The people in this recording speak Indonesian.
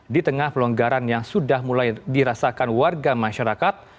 di tengah pelonggaran yang sudah mulai dirasakan warga masyarakat